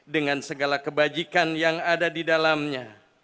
dengan segala kebajikan yang ada di dalamnya